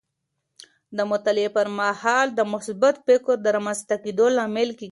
د مطالعې پر مهال د مثبت فکر د رامنځته کیدو لامل کیږي.